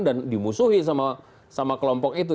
dan dimusuhi sama kelompok itu